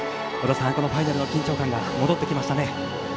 このファイナルの緊張感が戻ってきましたね。